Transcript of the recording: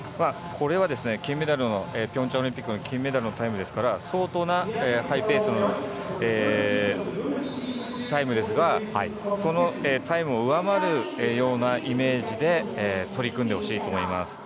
これはピョンチャンオリンピックの金メダルのタイムですから相当なハイペースのタイムですがそのタイムを上回るようなイメージで取り組んでほしいと思います。